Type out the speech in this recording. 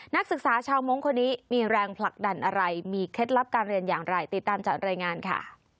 นักศึกษาชาวมงค์คนนี้มีแรงผลักดันอะไรมีเคล็ดลับการเรียนอย่างไรติดตามจากรายงานค่ะ